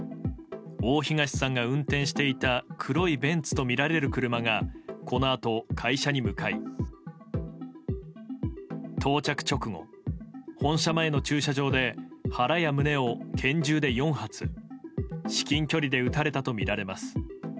大東さんが運転していた黒いベンツとみられる車がこのあと、会社に向かい到着直後、本社前の駐車場で腹や胸を拳銃で４発至近距離で撃たれたとみられます。